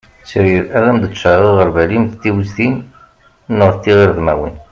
tteryel ad am-d-ččareγ aγerbal-im d tiwiztin neγ tiγredmiwin